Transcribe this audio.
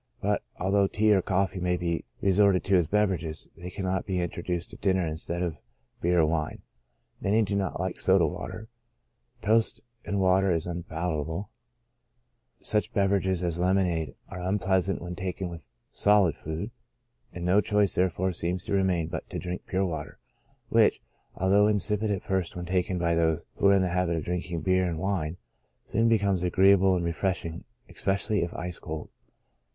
But, although tea or coffee may be resorted to as beverages, they cannot be introduced to dinner instead of wine or beer. Many do not like soda water ; toast and water is unpalatable ; such beverages as lemonade are un pleasant when taken with solid food, and no choice there fore seems to remain but to drink pure water, which, al though insipid at first when taken by those who are in the habit of drinking beer and wine, soon becomes agreeable and refreshing, especially if ice cold.